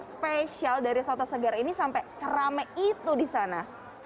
spesial dari soto segar ini sampai seramai itu di sana